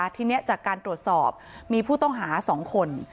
ทีนี้จากการตรวจสอบมีผู้ต้องหา๒คน